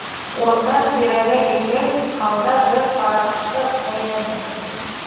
Урта тирәгә еткәс, алда бер ҡарасҡы шәйләне.